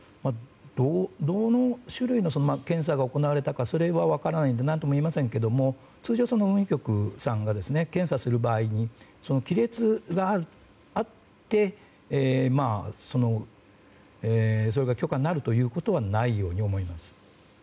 どの種類の検査が行われたのかそれは分からないので何とも言えませんが通常、運輸局さんが検査する場合に亀裂があってそれが許可になるということはないという気がします。